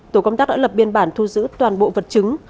tổ công tác đã lập biên bản thu giữ toàn bộ vật chứng